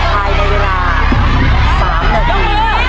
ภายในเวลา๓นาที